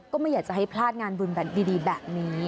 ไม่อยากจะให้พลาดงานบุญดีแบบนี้